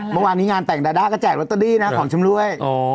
เมื่อวานี้งานแต่งดาด้าก็แจกวอสโต๊ะดี้นะของฉำรุ้ยอ๋อ